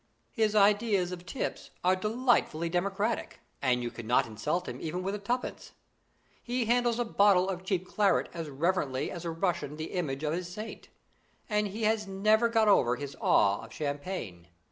"His ideas of tips are delightfully democratic, and you cannot insult him even with twopence. He handles a bottle of cheap claret as reverently as a Russian the image of his saint, and he has never got over his awe of champagne.